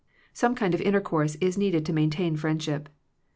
Some kind of inter course is needed to maintain friendship.